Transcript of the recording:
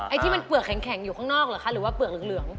ที่มันเปลือกแข็งอยู่ข้างนอกเหรอคะหรือว่าเปลือกเหลือง